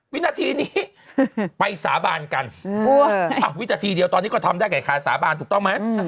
วินาทีนี้ไปสาบานกันวินาทีเดียวตอนนี้ก็ทำได้กับคาสาบานถูกต้องไหม